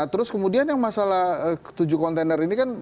terus kemudian yang masalah tujuh kontainer ini kan